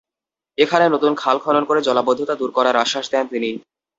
এখানে নতুন খাল খনন করে জলাবদ্ধতা দূর করার আশ্বাস দেন তিনি।